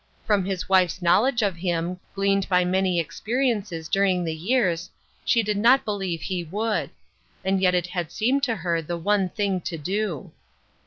From his wife's knowledge of him, gleaned by many experi ences during the years, she did not believe he would. And yet it had seemed to her the one thing to do.